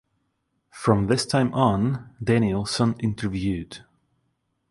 From this time on, Danielsson interviewed.